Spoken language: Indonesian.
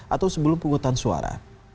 atau sebelum penghutang suara